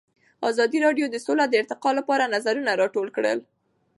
ازادي راډیو د سوله د ارتقا لپاره نظرونه راټول کړي.